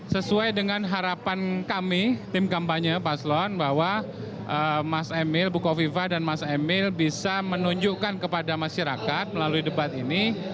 sesuai dengan harapan kami tim kampanye paslon bahwa mas emil buko viva dan mas emil bisa menunjukkan kepada masyarakat melalui debat ini